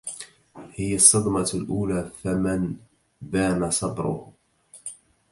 هي الصدمة الأولى فمن بان صبره